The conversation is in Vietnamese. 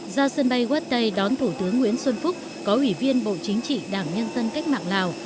ra sân bay quốc tế đón thủ tướng nguyễn xuân phúc có ủy viên bộ chính trị đảng nhân dân cách mạng lào